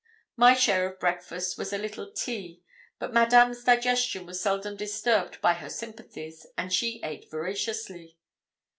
My share of breakfast was a little tea; but Madame's digestion was seldom disturbed by her sympathies, and she ate voraciously.